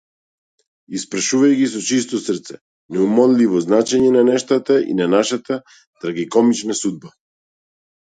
Испрашувај ги со чисто срце неумоливото значење на нештата и нашата трагикомична судба.